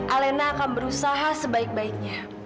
alena akan berusaha sebaik baiknya